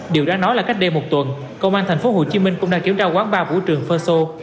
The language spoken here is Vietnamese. điều đã nói là cách đêm một tuần công an tp hcm cũng đang kiểm tra quán bar vũ trường ferso